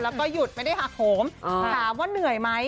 แล้วก็หยุดไม่ได้หักโหมถามว่าเหนื่อยไหม